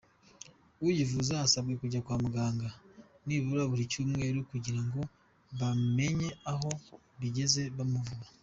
Uyivuza asabwa kujya kwa muganga nibura buri cyumweru kugira ngo bamenye aho bigeze bamuvura.